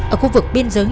ở khu vực biên giới